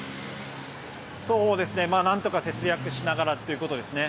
なんとか節約しながらということですね。